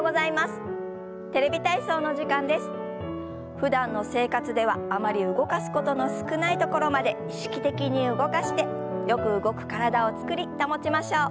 ふだんの生活ではあまり動かすことの少ないところまで意識的に動かしてよく動く体を作り保ちましょう。